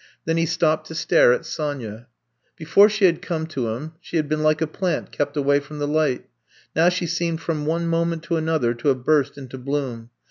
Then he stopped to stare at Sonya. Before she had come to him she had been like a plant kept away from the light, now she seemed from one moment to another to have burst into bloom.